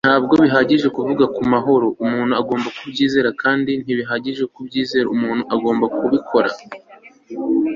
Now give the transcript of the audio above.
ntabwo bihagije kuvuga ku mahoro umuntu agomba kubyizera kandi ntibihagije kubyizera umuntu agomba kubikora